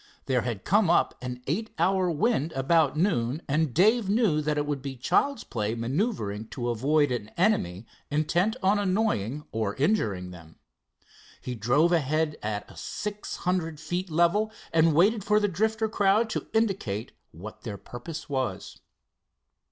There had come up an eight hour wind about noon, and Dave knew that would be child's play maneuvering to avoid the enemy intent on annoying or injuring them. He drove ahead at a six hundred feet level and waited for the Drifter crowd to indicate what their purpose was.